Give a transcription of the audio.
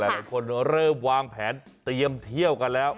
หลายคนเริ่มวางแผนเตรียมเที่ยวกันแล้ว